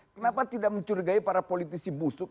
kenapa tidak mencurigai para politisi busuk